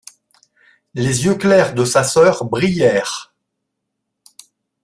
Les yeux clairs de sa sœur brillèrent.